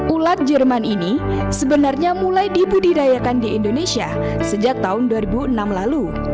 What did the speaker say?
ulat jerman ini sebenarnya mulai dibudidayakan di indonesia sejak tahun dua ribu enam lalu